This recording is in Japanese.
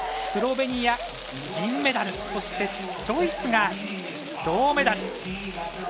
スロベニア、銀メダル、そしてドイツが銅メダル。